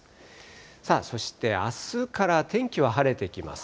さあ、そしてあすから天気は晴れてきます。